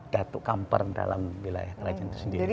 datuk kamper dalam wilayah rakyat itu sendiri